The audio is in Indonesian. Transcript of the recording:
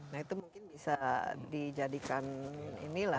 nah itu mungkin bisa dijadikan ini lah